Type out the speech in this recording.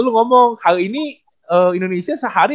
lu ngomong hal ini indonesia sehari